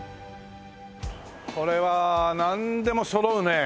これはなんでもそろうね。